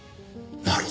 なるほど。